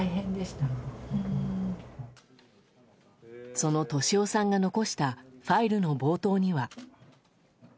その俊夫さんが残したファイルの冒頭には。